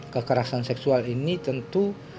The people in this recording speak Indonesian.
kekerasan seksual ini tentu